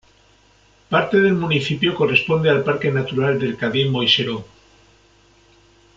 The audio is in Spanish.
Parte del municipio corresponde al Parque Natural del Cadí-Moixeró.